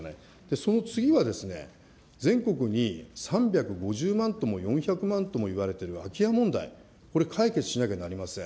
その次は、ですね、全国に３５０万とも４００万ともいわれている空き家問題、これ、解決しなきゃなりません。